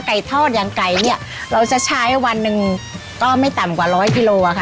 ทอดอย่างไก่เนี่ยเราจะใช้วันหนึ่งก็ไม่ต่ำกว่าร้อยกิโลอ่ะค่ะ